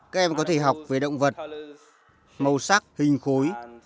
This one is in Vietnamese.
các em có thể học về động vật màu sắc hình khối